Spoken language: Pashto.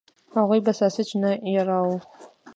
هغوی به ساسچن نه یراو.